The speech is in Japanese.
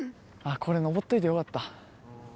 これ、登っといてよかった。